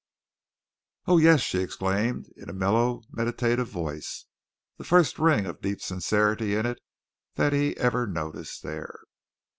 "Oh, yes!" she exclaimed, in a mellow, meditative voice, the first ring of deep sincerity in it that he ever noticed there.